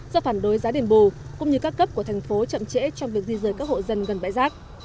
do phản đối giá đền bù cũng như các cấp của thành phố chậm trễ trong việc di rời các hộ dân gần bãi rác